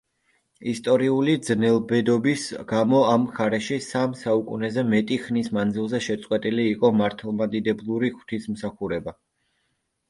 ისტორიული ძნელბედობის გამო ამ მხარეში სამ საუკუნეზე მეტი ხნის მანძილზე შეწყვეტილი იყო მართლმადიდებლური ღვთისმსახურება.